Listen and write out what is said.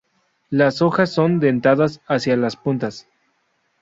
Las hojas son dentadas hacia las puntas.